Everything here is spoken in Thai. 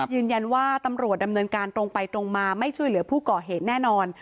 ยืนยันว่าตำรวจดำเนินการตรงไปตรงมาไม่ช่วยเหลือผู้ก่อเหตุแน่นอน